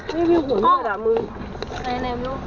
นี่วิวหัวหนึ่งอ่ะมือแม่งลูก